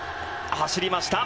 走りました。